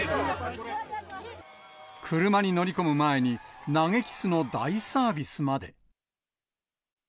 車に乗り込む前に、投げキスの大サービスまで。